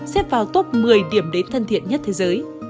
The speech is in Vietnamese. xếp vào top một mươi điểm đến thân thiện nhất thế giới